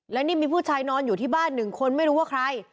และนี่มีผู้ชายนอนอยู่ที่บ้านหนึ่งคนไม่รู้ว่าใคร